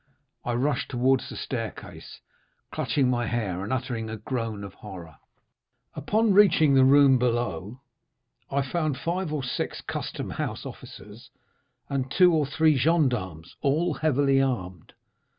I rushed towards the staircase, clutching my hair, and uttering a groan of horror. "Upon reaching the room below, I found five or six custom house officers, and two or three gendarmes—all heavily armed.